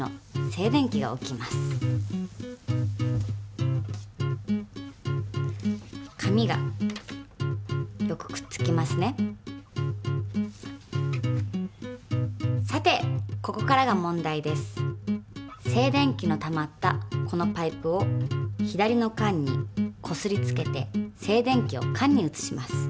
静電気のたまったこのパイプを左の缶にこすりつけて静電気を缶に移します。